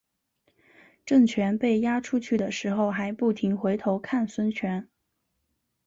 郑泉被押出去的时候还不停回头看孙权。